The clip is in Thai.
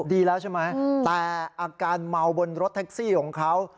ดีแล้วใช่ไหมแต่อาการเมาบนรถแท็กซี่ของเขา